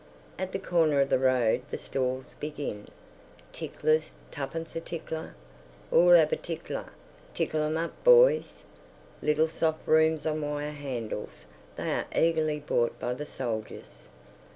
At the corner of the road the stalls begin. "Ticklers! Tuppence a tickler! 'Ool 'ave a tickler? Tickle 'em up, boys." Little soft brooms on wire handles. They are eagerly bought by the soldiers.